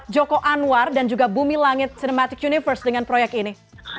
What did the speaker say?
joko anwar dan juga bumi langit cinematic universe dengan proyek ini